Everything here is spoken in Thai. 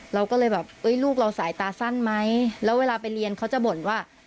เราก็เลยแบบเอ้ยลูกเราสายตาสั้นไหมแล้วเวลาไปเรียนเขาจะบ่นว่า